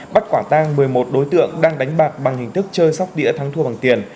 bắt quả tang một mươi một đối tượng đang đánh bạc bằng hình thức chơi sóc đĩa thắng thua bằng tiền